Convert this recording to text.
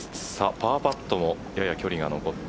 パーパットもやや距離が残って。